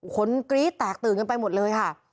กรี๊ดแตกตื่นกันไปหมดเลยค่ะ